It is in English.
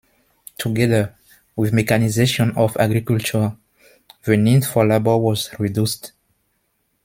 Together with mechanization of agriculture, the need for labor was reduced.